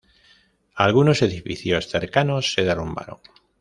Algunos edificios cercanos se derrumbaron.